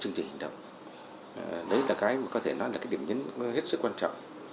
chương trình hành động đấy là cái mà có thể nói là cái điểm nhấn hết sức quan trọng